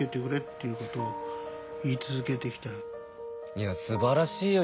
いやすばらしいよ。